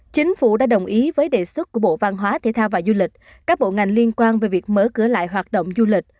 chính phủ đã đồng ý với đề xuất của bộ văn hóa thể thao và du lịch các bộ ngành liên quan về việc mở cửa lại hoạt động du lịch